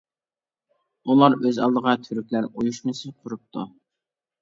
ئۇلار ئۆز ئالدىغا تۈركلەر ئۇيۇشمىسى قۇرۇپتۇ.